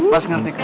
mas ngerti kak